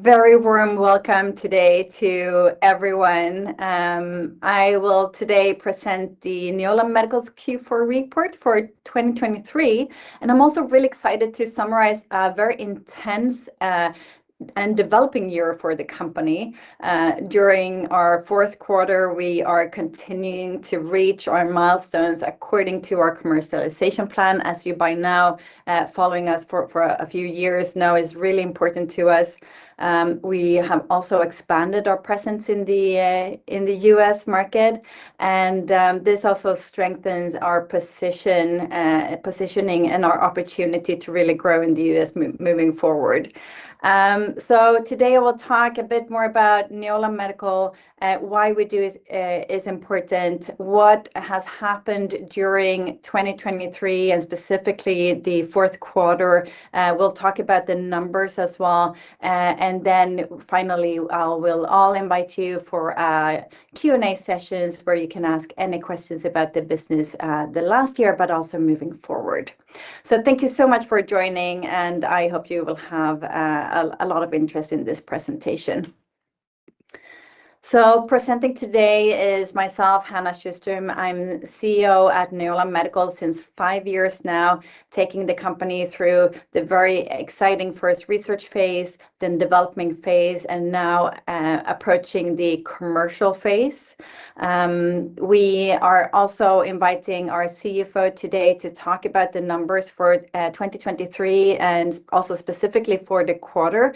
Very warm welcome today to everyone. I will today present the Neola Medical's Q4 report for 2023, and I'm also really excited to summarize a very intense, and developing year for the company. During our fourth quarter, we are continuing to reach our milestones according to our commercialization plan, as you by now, following us for, for a few years now is really important to us. We have also expanded our presence in the, in the U.S. market, and, this also strengthens our position, positioning and our opportunity to really grow in the U.S. m- moving forward. So today I will talk a bit more about Neola Medical, why we do is, is important, what has happened during 2023, and specifically the fourth quarter. We'll talk about the numbers as well, and then finally I'll invite you all for Q&A sessions where you can ask any questions about the business, the last year but also moving forward. So thank you so much for joining, and I hope you will have a lot of interest in this presentation. So presenting today is myself, Hanna Sjöström. I'm CEO at Neola Medical since five years now, taking the company through the very exciting first research phase, then development phase, and now approaching the commercial phase. We are also inviting our CFO today to talk about the numbers for 2023 and also specifically for the quarter,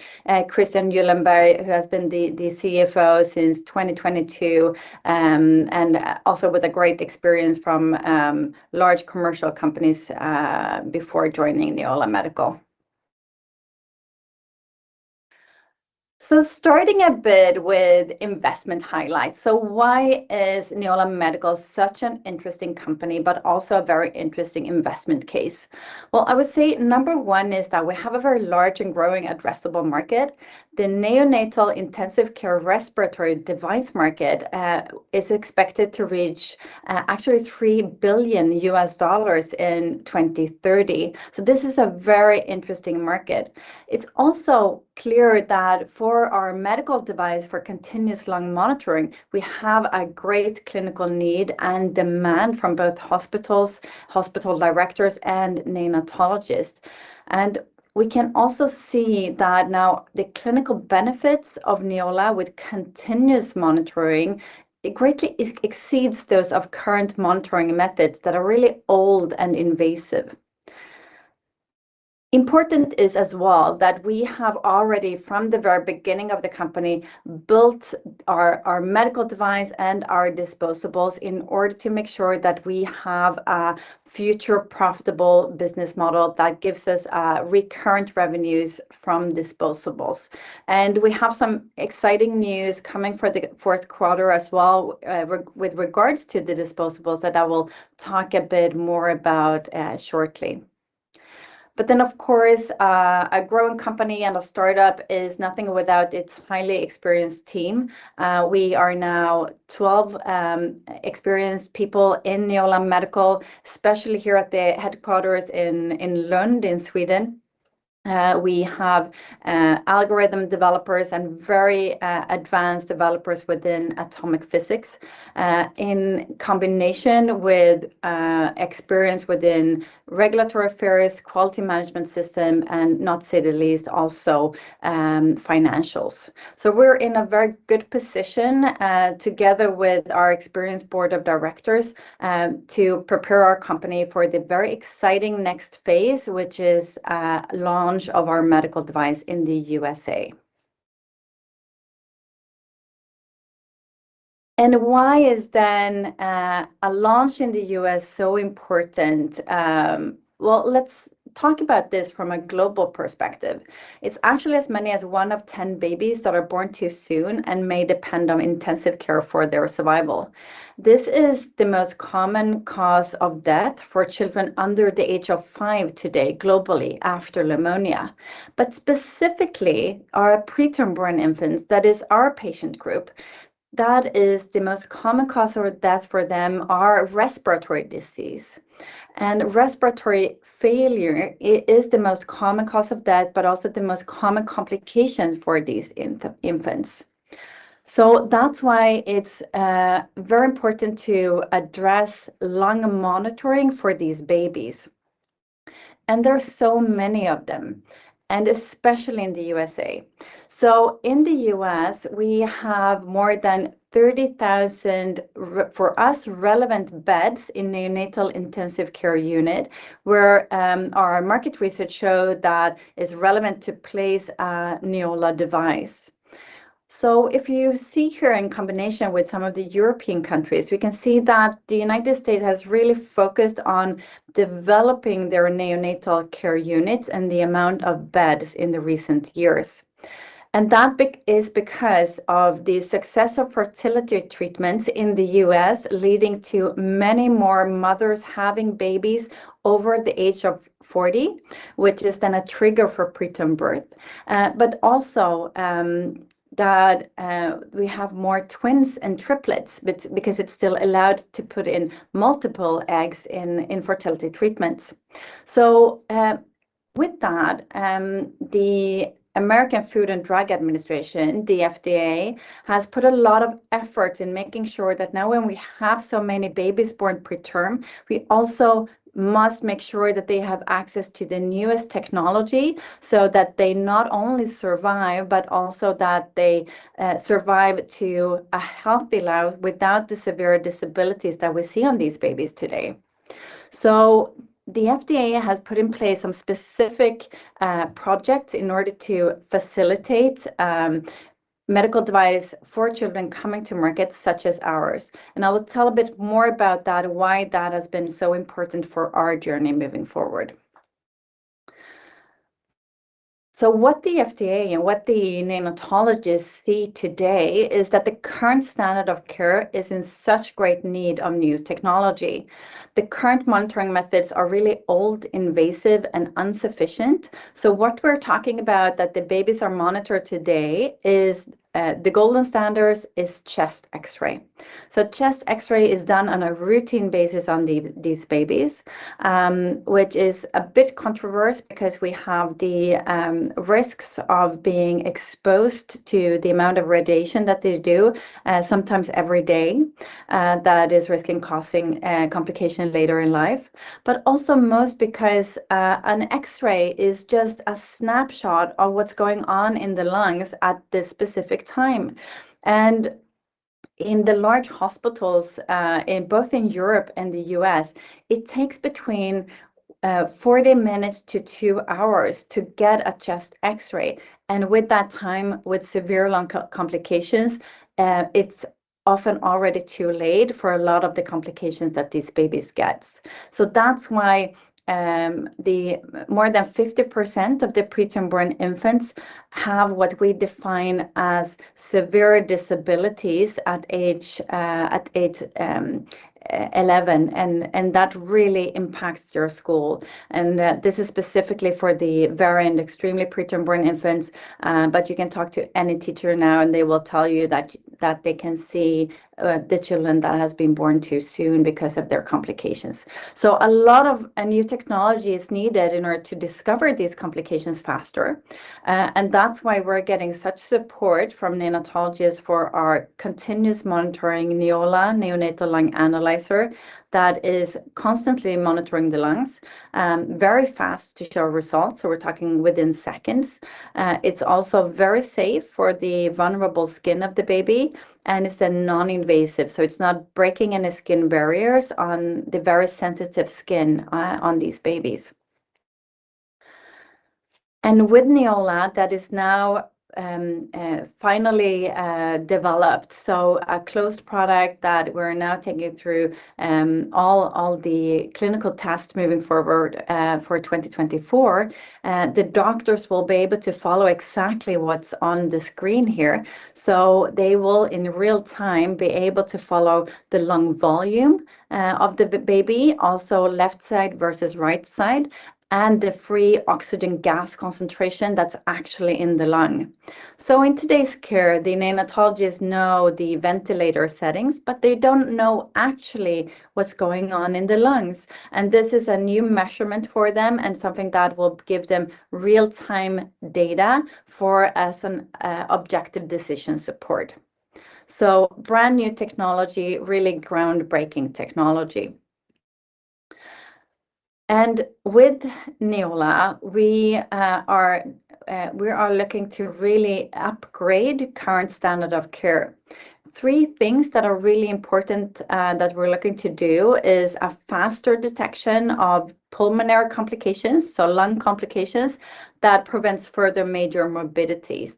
Christian Gyllenberg, who has been the CFO since 2022, and also with a great experience from large commercial companies before joining Neola Medical. So starting a bit with investment highlights. So why is Neola Medical such an interesting company but also a very interesting investment case? Well, I would say number one is that we have a very large and growing addressable market. The neonatal intensive care respiratory device market is expected to reach, actually, $3 billion in 2030. So this is a very interesting market. It's also clear that for our medical device for continuous lung monitoring, we have a great clinical need and demand from both hospitals, hospital Directors, and neonatologists. And we can also see that now the clinical benefits of Neola with continuous monitoring greatly exceeds those of current monitoring methods that are really old and invasive. Important is as well that we have already, from the very beginning of the company, built our, our medical device and our disposables in order to make sure that we have a future profitable business model that gives us, recurrent revenues from disposables. We have some exciting news coming for the fourth quarter as well, with regards to the disposables that I will talk a bit more about, shortly. But then, of course, a growing company and a startup is nothing without its highly experienced team. We are now 12 experienced people in Neola Medical, especially here at the headquarters in Lund in Sweden. We have algorithm developers and very advanced developers within atomic physics, in combination with experience within regulatory affairs, quality management system, and not to say the least also financials. So we're in a very good position, together with our experienced Board of Directors, to prepare our company for the very exciting next phase, which is launch of our medical device in the U.S.A. And why is then a launch in the U.S. so important? Well, let's talk about this from a global perspective. It's actually as many as 1 of 10 babies that are born too soon and may depend on intensive care for their survival. This is the most common cause of death for children under the age of five today globally after pneumonia. But specifically, our preterm-born infants, that is our patient group, that is the most common cause of death for them are respiratory disease. And respiratory failure is the most common cause of death but also the most common complication for these infants. So that's why it's very important to address lung monitoring for these babies. And there are so many of them, and especially in the U.S.A. So in the U.S., we have more than 30,000, for us, relevant beds in the neonatal intensive care unit where our market research showed that is relevant to place a Neola device. So if you see here in combination with some of the European countries, we can see that the United States has really focused on developing their neonatal care units and the amount of beds in the recent years. And that is because of the success of fertility treatments in the U.S. leading to many more mothers having babies over the age of 40, which is then a trigger for preterm birth. But also that we have more twins and triplets because it's still allowed to put in multiple eggs in fertility treatments. So, with that, the American Food and Drug Administration, the FDA, has put a lot of efforts in making sure that now when we have so many babies born preterm, we also must make sure that they have access to the newest technology so that they not only survive but also that they survive to a healthy life without the severe disabilities that we see on these babies today. So the FDA has put in place some specific projects in order to facilitate medical device for children coming to markets such as ours. And I will tell a bit more about that, why that has been so important for our journey moving forward. So what the FDA and what the neonatologists see today is that the current standard of care is in such great need of new technology. The current monitoring methods are really old, invasive, and insufficient. So, what we're talking about is that the babies are monitored today: the golden standard is chest X-ray. Chest X-ray is done on a routine basis on these babies, which is a bit controversial because we have the risks of being exposed to the amount of radiation that they do, sometimes every day, that is risking causing complication later in life. But also most because an X-ray is just a snapshot of what's going on in the lungs at the specific time. In the large hospitals, both in Europe and the U.S., it takes between 40 minutes to two hours to get a chest X-ray. With that time, with severe lung complications, it's often already too late for a lot of the complications that these babies get. So that's why, the more than 50% of the preterm-born infants have what we define as severe disabilities at age 11. And that really impacts your school. And this is specifically for the variant extremely preterm-born infants, but you can talk to any teacher now and they will tell you that they can see the children that have been born too soon because of their complications. So a lot of new technology is needed in order to discover these complications faster. And that's why we're getting such support from neonatologists for our continuous monitoring Neola, Neonatal Lung Analyzer that is constantly monitoring the lungs, very fast to show results. So we're talking within seconds. It's also very safe for the vulnerable skin of the baby and it's then non-invasive. So it's not breaking any skin barriers on the very sensitive skin on these babies. With Neola, that is now, finally, developed. So a closed product that we're now taking through all the clinical tests moving forward. For 2024, the doctors will be able to follow exactly what's on the screen here. So they will in real time be able to follow the lung volume of the baby, also left side versus right side, and the free oxygen gas concentration that's actually in the lung. So in today's care, the neonatologists know the ventilator settings, but they don't know actually what's going on in the lungs. And this is a new measurement for them and something that will give them real-time data for, as an objective decision support. So brand new technology, really groundbreaking technology. And with Neola, we are looking to really upgrade current standard of care. Three things that are really important, that we're looking to do is a faster detection of pulmonary complications, so lung complications, that prevents further major morbidities.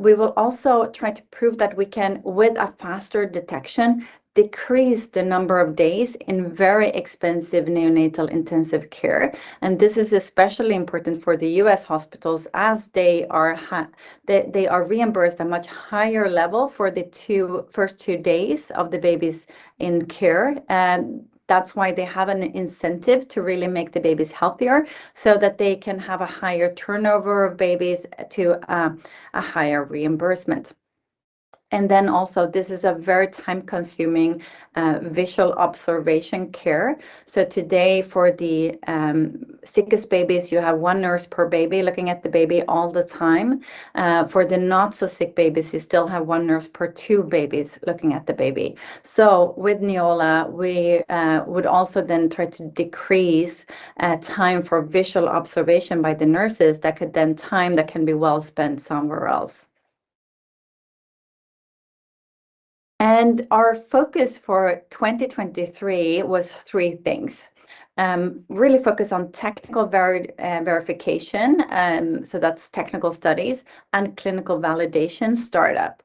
We will also try to prove that we can, with a faster detection, decrease the number of days in very expensive neonatal intensive care. This is especially important for the U.S. hospitals as they are reimbursed a much higher level for the first two days of the babies in care. That's why they have an incentive to really make the babies healthier so that they can have a higher turnover of babies to a higher reimbursement. Then also, this is a very time-consuming, visual observation care. So today for the sickest babies, you have one nurse per baby looking at the baby all the time. For the not-so-sick babies, you still have one nurse per two babies looking at the baby. So with Neola, we would also then try to decrease time for visual observation by the nurses that could then time that can be well spent somewhere else. And our focus for 2023 was three things. Really focus on technical verification, so that's technical studies, and clinical validation startup.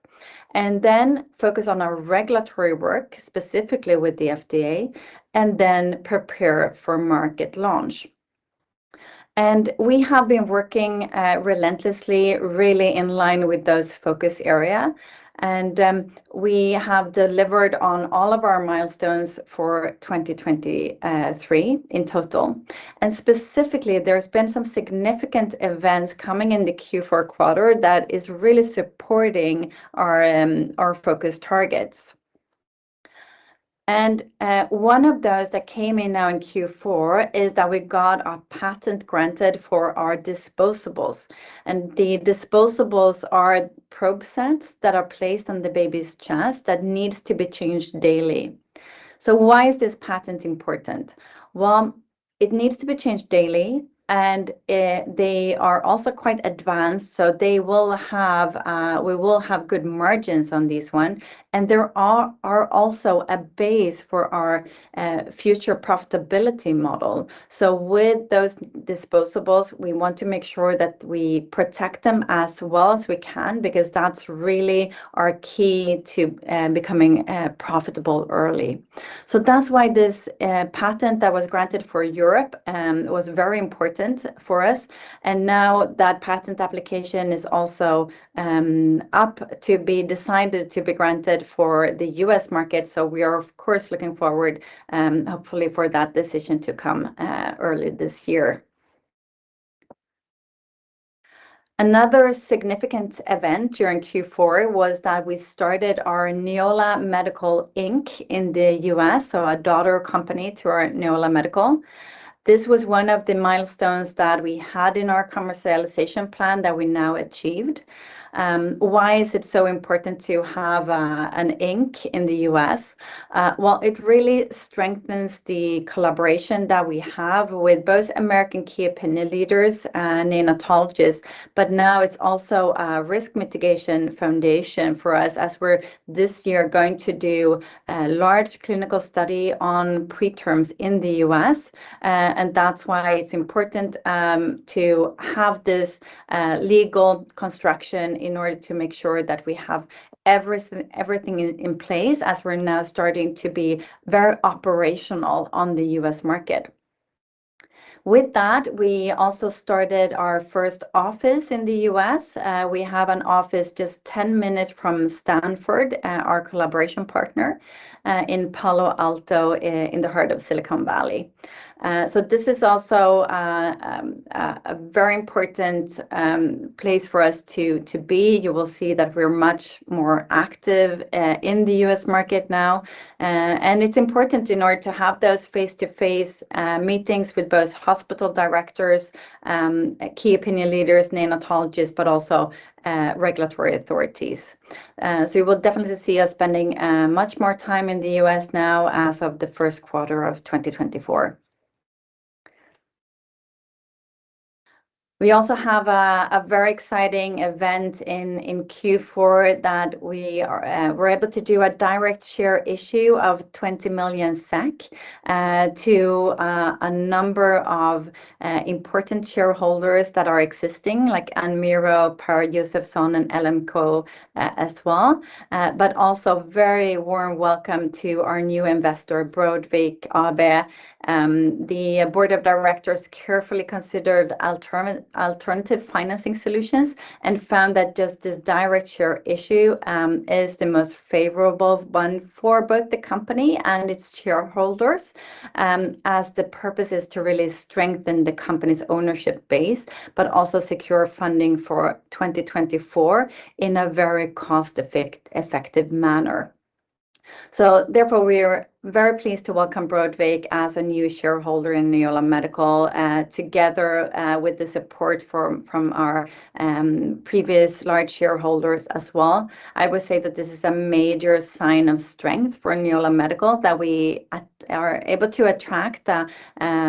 And then focus on our regulatory work, specifically with the FDA, and then prepare for market launch. And we have been working relentlessly, really in line with those focus areas. And we have delivered on all of our milestones for 2023 in total. And specifically, there's been some significant events coming in the Q4 quarter that is really supporting our focus targets. And one of those that came in now in Q4 is that we got our patent granted for our disposables. The disposables are probe sets that are placed on the baby's chest that need to be changed daily. So why is this patent important? Well, it needs to be changed daily. And they are also quite advanced. So they will have, we will have good margins on these ones. And there are also a base for our future profitability model. So with those disposables, we want to make sure that we protect them as well as we can because that's really our key to becoming profitable early. So that's why this patent that was granted for Europe was very important for us. And now that patent application is also up to be decided to be granted for the U.S. market. So we are, of course, looking forward, hopefully for that decision to come early this year. Another significant event during Q4 was that we started our Neola Medical Inc, in the U.S., so a daughter company to our Neola Medical. This was one of the milestones that we had in our commercialization plan that we now achieved. Why is it so important to have an Inc in the U.S.? Well, it really strengthens the collaboration that we have with both American key opinion leaders and neonatologists. But now it's also a risk mitigation foundation for us as we're this year going to do a large clinical study on preterms in the U.S. And that's why it's important to have this legal construction in order to make sure that we have everything in place as we're now starting to be very operational on the U.S. market. With that, we also started our first office in the U.S. We have an office just 10 minutes from Stanford, our collaboration partner, in Palo Alto, in the heart of Silicon Valley. So this is also a very important place for us to be. You will see that we're much more active in the U.S. market now. And it's important in order to have those face-to-face meetings with both hospital Directors, key opinion leaders, neonatologists, but also regulatory authorities. So you will definitely see us spending much more time in the U.S. now as of the first quarter of 2024. We also have a very exciting event in Q4 that we are able to do a directed share issue of 20 million SEK to a number of important shareholders that are existing, like ANMIRO, Pär Josefsson, and LMK as well. But also a very warm welcome to our new investor, Brodvik AB. The Board of Directors carefully considered alternative financing solutions and found that just this direct share issue is the most favorable one for both the company and its shareholders, as the purpose is to really strengthen the company's ownership base, but also secure funding for 2024 in a very cost-effective manner. So therefore, we are very pleased to welcome Brodvik as a new shareholder in Neola Medical, together with the support from our previous large shareholders as well. I would say that this is a major sign of strength for Neola Medical that we are able to attract a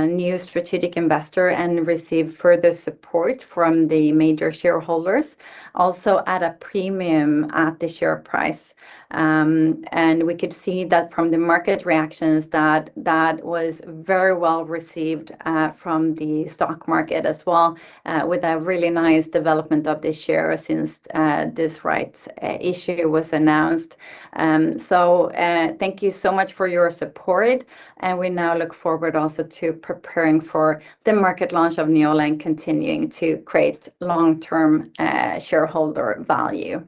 new strategic investor and receive further support from the major shareholders, also at a premium at the share price. And we could see that from the market reactions that that was very well received, from the stock market as well, with a really nice development of the share since this rights issue was announced. So, thank you so much for your support. And we now look forward also to preparing for the market launch of Neola and continuing to create long-term shareholder value.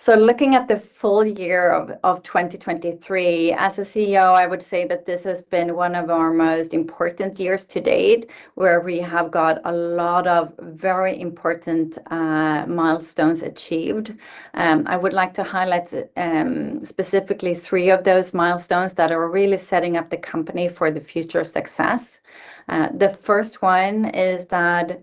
So looking at the full year of 2023, as a CEO, I would say that this has been one of our most important years to date where we have got a lot of very important milestones achieved. I would like to highlight specifically three of those milestones that are really setting up the company for the future success. The first one is that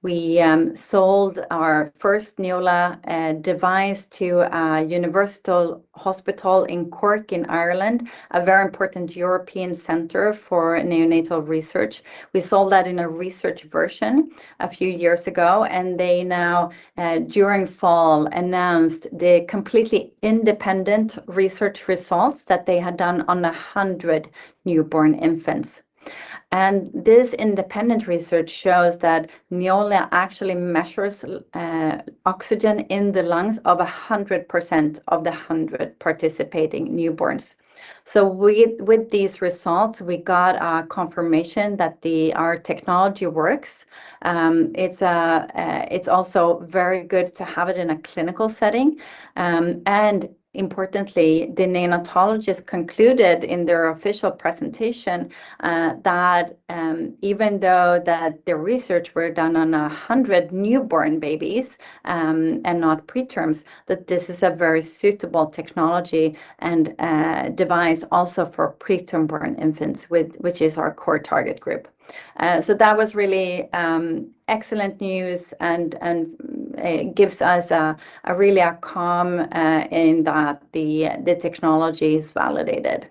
we sold our first Neola device to a University hospital in Cork, Ireland, a very important European center for neonatal research. We sold that in a research version a few years ago, and they now, during fall, announced the completely independent research results that they had done on 100 newborn infants. And this independent research shows that Neola actually measures oxygen in the lungs of 100% of the 100 participating newborns. So we, with these results, we got our confirmation that the our technology works. It's also very good to have it in a clinical setting. And importantly, the neonatologists concluded in their official presentation that, even though that the research were done on 100 newborn babies, and not preterms, that this is a very suitable technology and device also for preterm-born infants, with which is our core target group. So that was really excellent news and gives us a really a calm in that the technology is validated.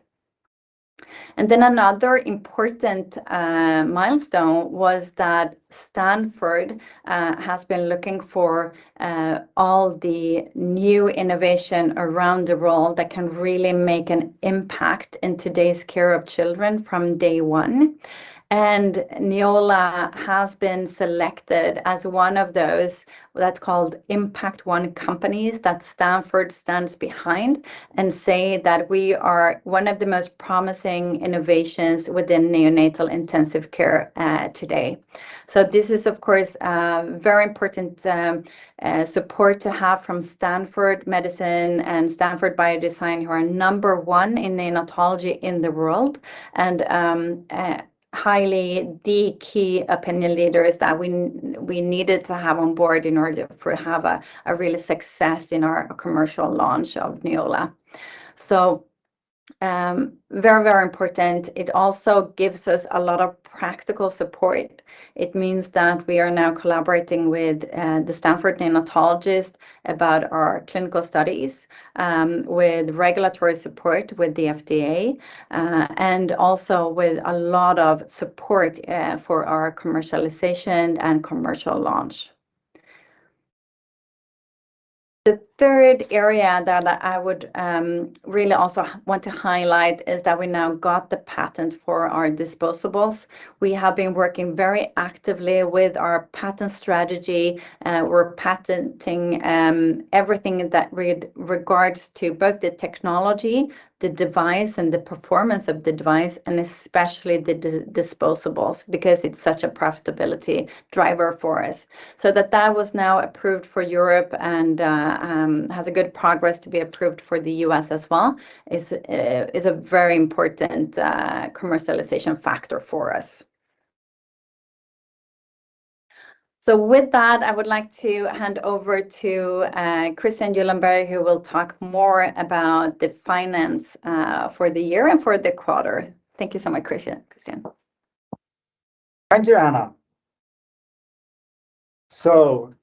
Then another important milestone was that Stanford has been looking for all the new innovation around the world that can really make an impact in today's care of children from day one. Neola has been selected as one of those that's called Impact1 companies that Stanford stands behind and say that we are one of the most promising innovations within neonatal intensive care today. This is, of course, a very important support to have from Stanford Medicine and Stanford Biodesign, who are number one in neonatology in the world and the highly key opinion leaders that we needed to have on Board in order to have a real success in our commercial launch of Neola. Very, very important. It also gives us a lot of practical support. It means that we are now collaborating with the Stanford neonatologists about our clinical studies, with regulatory support with the FDA, and also with a lot of support for our commercialization and commercial launch. The third area that I would really also want to highlight is that we now got the patent for our disposables. We have been working very actively with our patent strategy. We're patenting everything that regards to both the technology, the device, and the performance of the device, and especially the disposables because it's such a profitability driver for us. So that that was now approved for Europe and has a good progress to be approved for the U.S. as well is a very important commercialization factor for us. So with that, I would like to hand over to Christian Gyllenberg, who will talk more about the finance for the year and for the quarter. Thank you so much, Christian. Thank you, Hanna. So,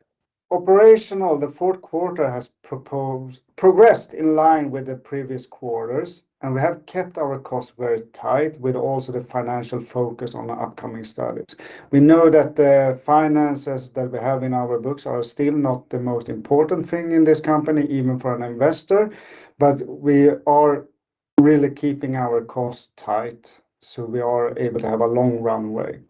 operationally, the fourth quarter has progressed in line with the previous quarters, and we have kept our costs very tight with also the financial focus on the upcoming studies. We know that the finances that we have in our books are still not the most important thing in this company, even for an investor, but we are really keeping our costs tight so we are able to have a long runway.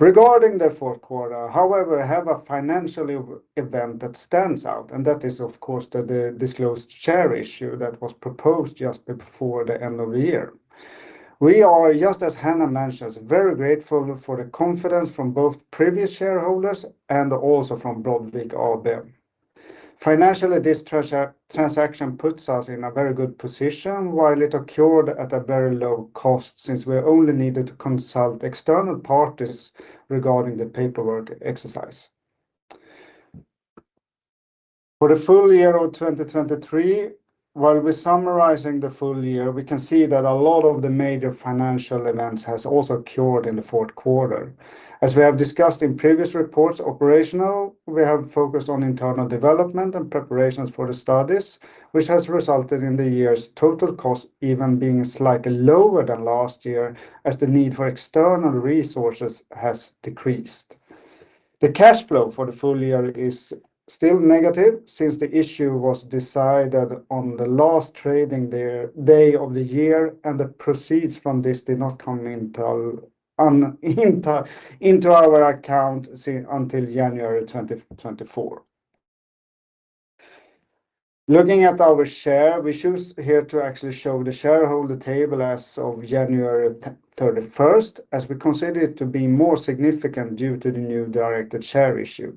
Regarding the fourth quarter, however, we have a financial event that stands out, and that is, of course, the disclosed share issue that was proposed just before the end of the year. We are, just as Hanna mentioned, very grateful for the confidence from both previous shareholders and also from Brodvik AB. Financially, this transaction puts us in a very good position while it occurred at a very low cost since we only needed to consult external parties regarding the paperwork exercise. For the full year of 2023, while we're summarizing the full year, we can see that a lot of the major financial events have also occurred in the fourth quarter. As we have discussed in previous reports, operational, we have focused on internal development and preparations for the studies, which has resulted in the year's total cost even being slightly lower than last year as the need for external resources has decreased. The cash flow for the full year is still negative since the issue was decided on the last trading day of the year, and the proceeds from this did not come into our account until January 2024. Looking at our share, we choose here to actually show the shareholder table as of January 31st, as we consider it to be more significant due to the new directed share issue.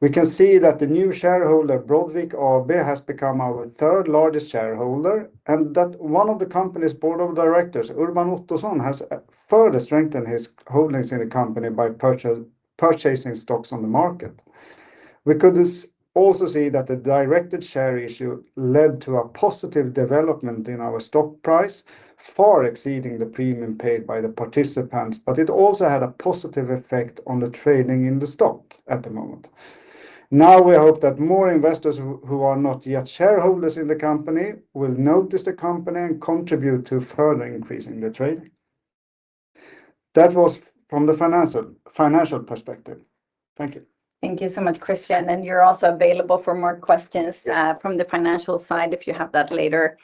We can see that the new shareholder, Brodvik AB, has become our third largest shareholder and that one of the company's Board of Directors, Urban Ottosson, has further strengthened his holdings in the company by purchasing stocks on the market. We could also see that the directed share issue led to a positive development in our stock price, far exceeding the premium paid by the participants, but it also had a positive effect on the trading in the stock at the moment. Now we hope that more investors who are not yet shareholders in the company will notice the company and contribute to further increasing the trading. That was from the financial perspective. Thank you. Thank you so much, Christian. You're also available for more questions, from the financial side if you have that later.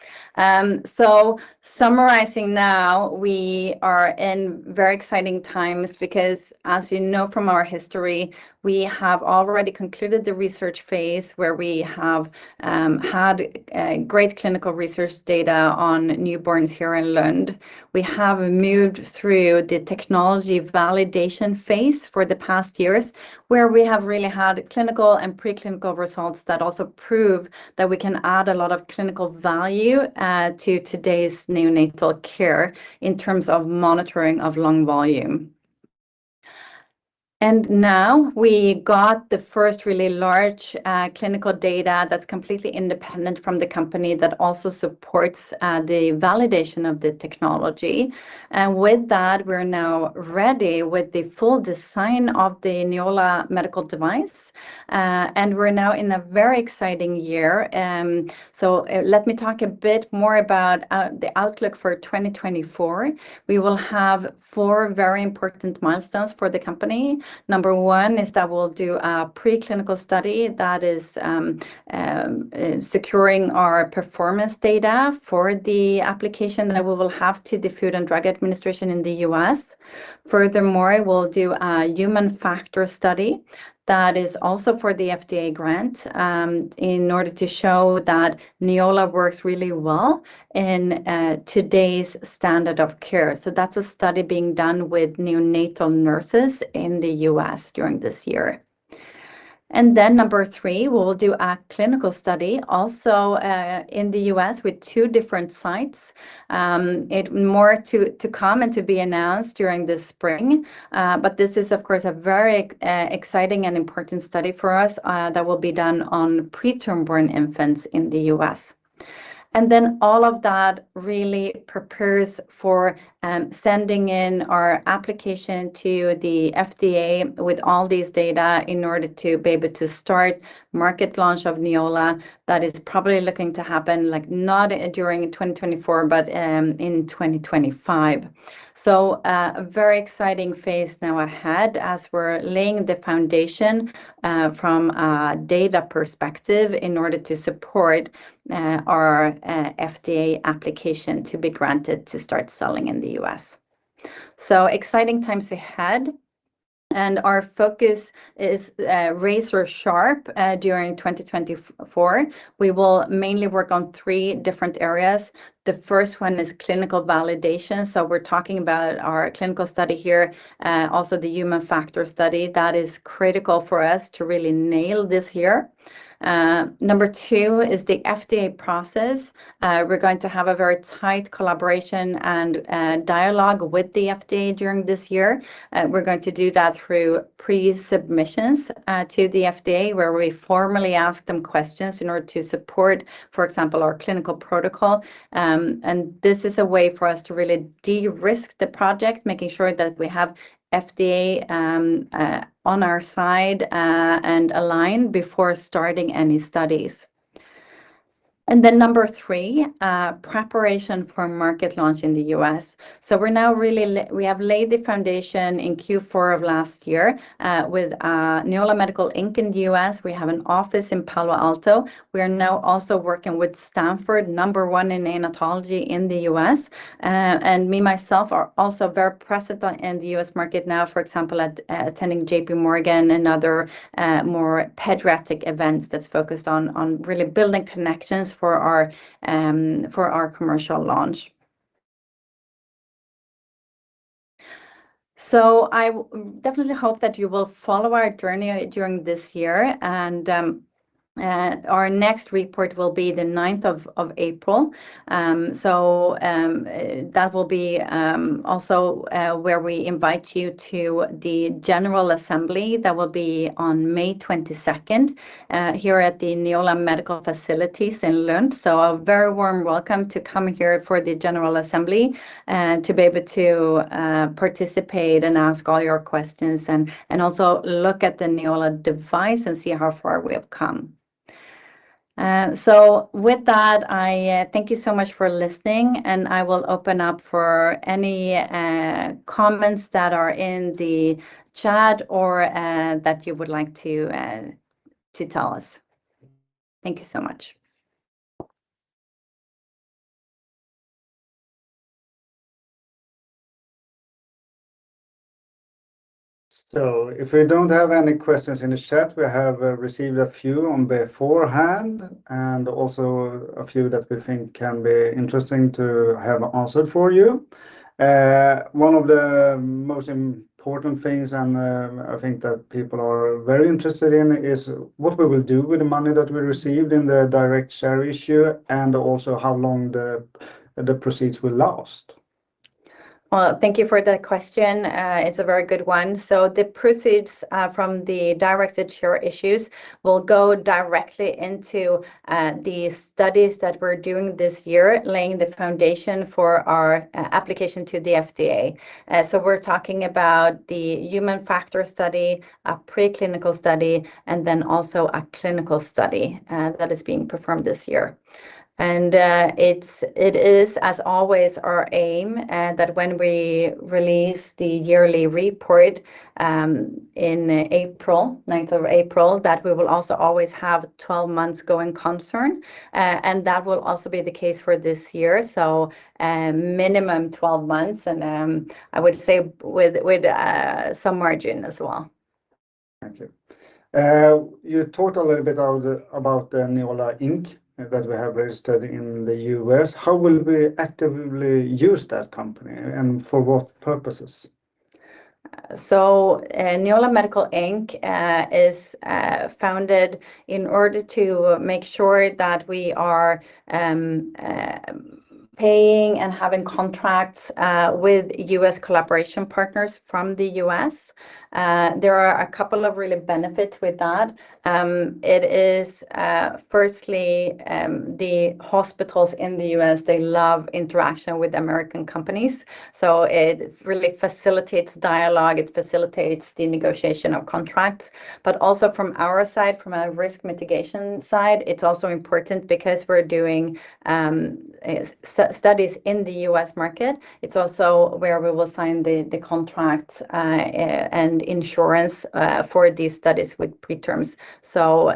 So summarizing now, we are in very exciting times because, as you know from our history, we have already concluded the research phase where we have had great clinical research data on newborns here in Lund. We have moved through the technology validation phase for the past years where we have really had clinical and preclinical results that also prove that we can add a lot of clinical value to today's neonatal care in terms of monitoring of lung volume. And now we got the first really large clinical data that's completely independent from the company that also supports the validation of the technology. And with that, we're now ready with the full design of the Neola Medical device, and we're now in a very exciting year. So let me talk a bit more about the outlook for 2024. We will have four very important milestones for the company. Number one, is that we'll do a preclinical study that is securing our performance data for the application that we will have to the Food and Drug Administration in the U.S. Furthermore, we'll do a human factors study that is also for the FDA grant, in order to show that Neola works really well in today's standard of care. So that's a study being done with neonatal nurses in the U.S. during this year. And then number three, we'll do a clinical study also in the U.S. with two different sites. More to come and to be announced during the spring. But this is, of course, a very exciting and important study for us, that will be done on preterm-born infants in the U.S. And then all of that really prepares for sending in our application to the FDA with all these data in order to be able to start market launch of Neola that is probably looking to happen, like not during 2024, but in 2025. So, a very exciting phase now ahead as we're laying the foundation from a data perspective in order to support our FDA application to be granted to start selling in the U.S. So exciting times ahead. And our focus is razor sharp during 2024. We will mainly work on three different areas. The first one is clinical validation. So we're talking about our clinical study here, also the human factor study that is critical for us to really nail this year. Number two is the FDA process. We're going to have a very tight collaboration and dialogue with the FDA during this year. We're going to do that through pre-submissions to the FDA where we formally ask them questions in order to support, for example, our clinical protocol. This is a way for us to really de-risk the project, making sure that we have FDA on our side and aligned before starting any studies. Then number three, preparation for market launch in the U.S. So we're now really, we have laid the foundation in Q4 of last year with Neola Medical Inc in the U.S. We have an office in Palo Alto. We are now also working with Stanford, number 1 in neonatology in the U.S. And me myself are also very present in the U.S. market now, for example, by attending JPMorgan and other more pediatric events that are focused on really building connections for our commercial launch. So I definitely hope that you will follow our journey during this year. Our next report will be the 9th of April. So that will be also where we invite you to the general assembly that will be on May 22nd, here at the Neola Medical facilities in Lund. So a very warm welcome to come here for the general assembly, to be able to participate and ask all your questions and also look at the Neola device and see how far we have come. So with that, I thank you so much for listening and I will open up for any comments that are in the chat or that you would like to tell us. Thank you so much. So if we don't have any questions in the chat, we have received a few on beforehand and also a few that we think can be interesting to have answered for you. One of the most important things, and I think that people are very interested in, is what we will do with the money that we received in the directed share issue and also how long the proceeds will last. Well, thank you for the question. It's a very good one. So the proceeds from the directed share issues will go directly into the studies that we're doing this year, laying the foundation for our application to the FDA. So we're talking about the human factor study, a preclinical study, and then also a clinical study that is being performed this year. It is, as always, our aim that when we release the yearly report in April, 9th of April, that we will also always have 12 months going concern. And that will also be the case for this year. Minimum 12 months. And I would say with some margin as well. Thank you. You talked a little bit about the Neola Medical Inc that we have registered in the U.S. How will we actively use that company and for what purposes? Neola Medical Inc is founded in order to make sure that we are paying and having contracts with U.S. collaboration partners from the U.S. There are a couple of real benefits with that. It is, firstly, the hospitals in the U.S. They love interaction with American companies. So it really facilitates dialogue. It facilitates the negotiation of contracts. But also from our side, from a risk mitigation side, it's also important because we're doing studies in the U.S. market. It's also where we will sign the contracts, and insurance, for these studies with pre-terms. So,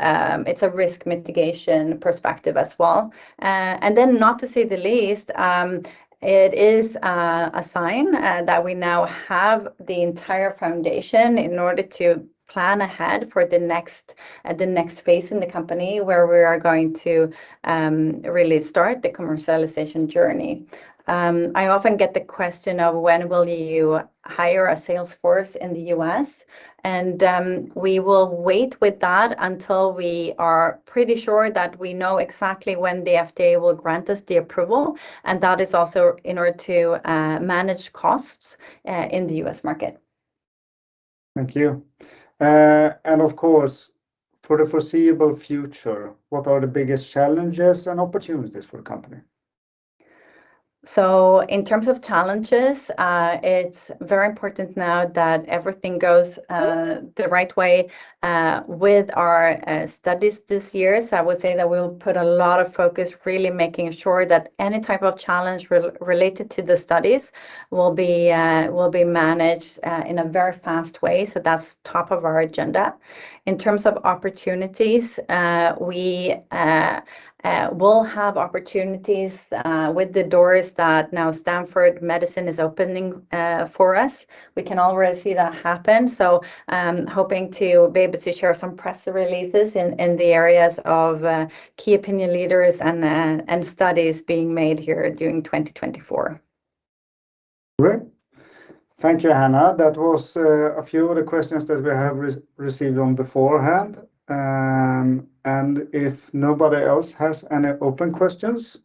it's a risk mitigation perspective as well. And then not to say the least, it is a sign that we now have the entire foundation in order to plan ahead for the next phase in the company where we are going to really start the commercialization journey. I often get the question of when will you hire a sales force in the U.S.? And we will wait with that until we are pretty sure that we know exactly when the FDA will grant us the approval. And that is also in order to manage costs in the U.S. market. Thank you. And of course, for the foreseeable future, what are the biggest challenges and opportunities for the company? So in terms of challenges, it's very important now that everything goes the right way with our studies this year. So I would say that we will put a lot of focus really making sure that any type of challenge related to the studies will be managed in a very fast way. So that's top of our agenda. In terms of opportunities, we will have opportunities with the doors that now Stanford Medicine is opening for us. We can already see that happen. So hoping to be able to share some press releases in the areas of key opinion leaders and studies being made here during 2024. Great. Thank you, Hanna. That was a few of the questions that we have received beforehand. If nobody else has any open questions.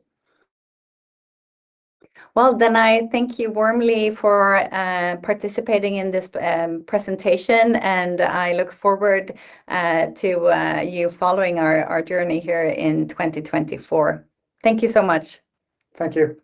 Well, then I thank you warmly for participating in this presentation. And I look forward to you following our journey here in 2024. Thank you so much. Thank you.